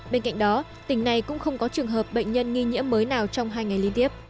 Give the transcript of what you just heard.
bên cạnh đó tỉnh này cũng không có trường hợp bệnh nhân nghi nhiễm mới nào trong hai ngày liên tiếp